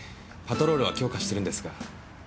パトロールは強化してるんですが。